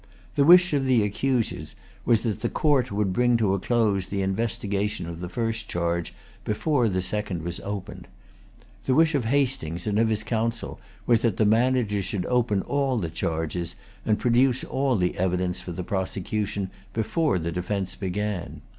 The wish of the accusers was that the Court would bring to a close the investigation of the first charge before the second was opened. The wish of Hastings and of his counsel was that the managers should open all the charges, and produce all the evidence for the prosecution, before the defence began.